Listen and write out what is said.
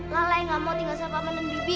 lala yang gak mau tinggal sama paman dan bibi